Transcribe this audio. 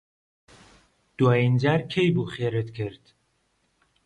دوایین جار کەی بوو خێرت کرد؟